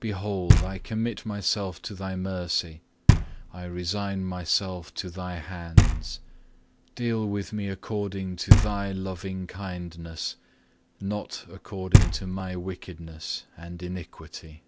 Behold I commit myself to Thy mercy, I resign myself to Thy hands. Deal with me according to Thy loving kindness, not according to my wickedness and iniquity.